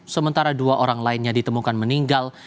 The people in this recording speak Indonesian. sementara dua orang lainnya ditemukan meninggal